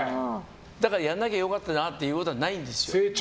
だからやらなきゃ良かったなってことはないんですよ。